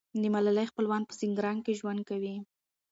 د ملالۍ خپلوان په سینګران کې ژوند کوي.